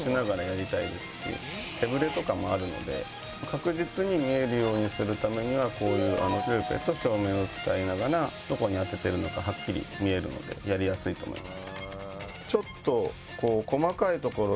確実に見えるようにするためにはこういうルーペと照明を使いながらどこに当てているのかはっきり見えるのでやりやすいと思います。